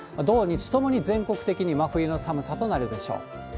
土日ともに全国的に真冬の寒さとなるでしょう。